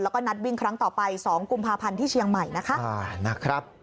แล้วก็นัดวิ่งครั้งต่อไป๒กุมภาพันธ์ที่เชียงใหม่นะคะ